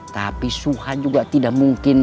tapi suha juga tidak mungkin